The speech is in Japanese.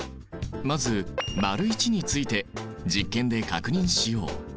まず①について実験で確認しよう。